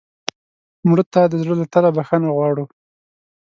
مړه ته د زړه له تله بښنه غواړو